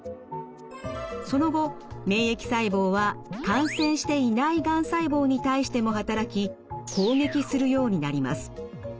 その後免疫細胞は感染していないがん細胞に対しても働き攻撃するようになります。